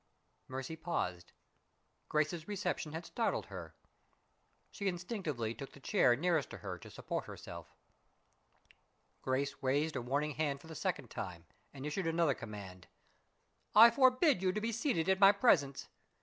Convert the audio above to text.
Mercy paused. Grace's reception had startled her. She instinctively took the chair nearest to her to support herself. Grace raised a warning hand for the second time, and issued another command: "I forbid you to be seated in my presence.